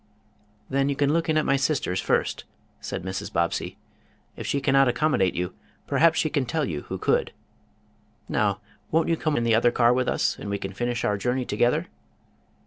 "Then you can look in at my sister's first," said Mrs. Bobbsey. "If she cannot accommodate you, perhaps she can tell who could. Now, won't you come in the other car with us, and we can finish our journey together?"